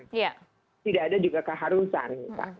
tidak ada juga keharusan